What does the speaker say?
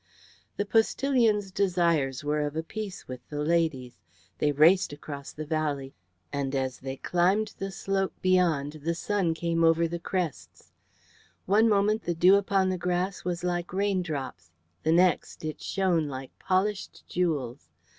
The postillion's desires were of a piece with the lady's. They raced across the valley, and as they climbed the slope beyond, the sun came over the crests. One moment the dew upon the grass was like raindrops, the next it shone like polished jewels.